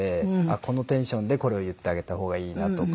このテンションでこれを言ったあげた方がいいなとか。